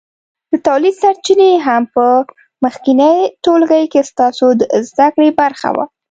د تولید سرچینې هم په مخکېني ټولګي کې ستاسو د زده کړې برخه وه.